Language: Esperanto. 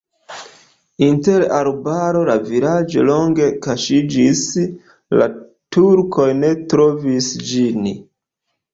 Inter arbaroj la vilaĝo longe kaŝiĝis, la turkoj ne trovis ĝin.